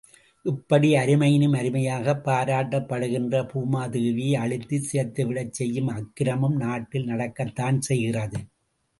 இப்படி அருமையினும் அருமையாகப் பாராட்டப்படுகின்ற பூமாதேவியை அழித்துச் சிதைத்துவிடச் செய்யும் அக்கிரமமும் நாட்டில் நடக்கத் தானே செய்கிறது.